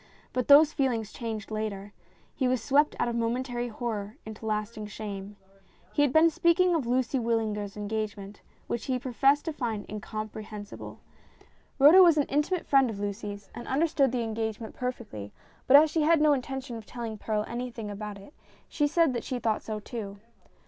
But those feelings changed later. He was swept out of momentary horror into lasting shame. He had been speaking of Lucy Wyllinger's engagement, which he professed to find incompre hensible. Rhoda was an intimate friend of Lucy's, and understood the engagement perfectly, but as she had no intention of telling Perral anything whatever about it, she said that she thought so, too.